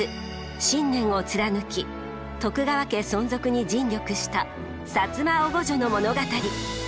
信念を貫き徳川家存続に尽力した摩おごじょの物語。